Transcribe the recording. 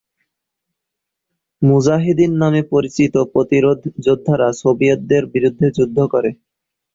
মুজাহিদিন নামে পরিচিত প্রতিরোধ যোদ্ধারা সোভিয়েতদের বিরুদ্ধে যুদ্ধ করে।